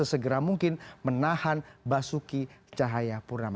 segera mungkin menahan basuki cahaya purna